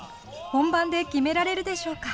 本番で決められるでしょうか。